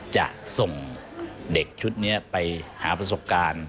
จะส่งเด็กชุดนี้ไปหาประสบการณ์